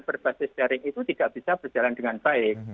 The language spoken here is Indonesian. berbasis daring itu tidak bisa berjalan dengan baik